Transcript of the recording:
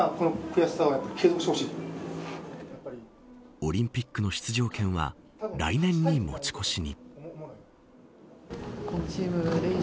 オリンピックの出場権は来年に持ち越しに。